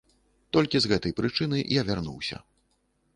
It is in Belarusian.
Толькі з гэтай прычыны я вярнуўся.